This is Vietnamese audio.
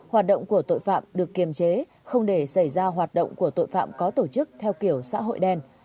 hoạt động của tội phạm được kiềm chế không để xảy ra hoạt động của tội phạm có tổ chức theo kiểu xã hội đen